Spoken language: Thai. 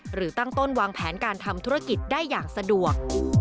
หรือตั้งต้นวางแผนการทำธุรกิจได้อย่างสะดวก